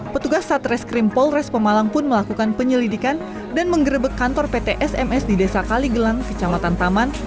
petugas satreskrim polres pemalang pun melakukan penyelidikan dan menggerebek kantor pt sms di desa kaligelang kecamatan taman